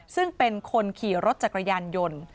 ซึ่งเป็นคนขี่รถจักรยานยนต์